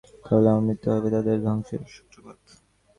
তাহলে আমার মৃত্যুই হবে তাদের ধ্বংসের সূত্রপাত।